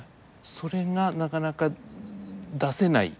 それがなかなか出せない。